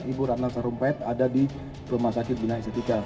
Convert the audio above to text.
ibu ratna sarumpait ada di rumah sakit binaya istrikan kebohongan ratna sarumpait terlanjur